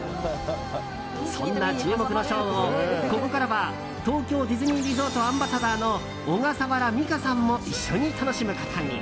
そんな注目のショーをここからは東京ディズニーリゾートアンバサダーの小笠原美果さんも一緒に楽しむことに。